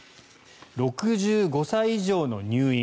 ６５歳以上の入院